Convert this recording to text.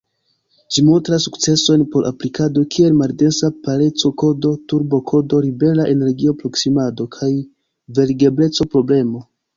Ĝi montras sukceson por aplikado kiel maldensa pareco-kodo, turbo-kodo, libera energio-proksimado, kaj verigebleco-problemo.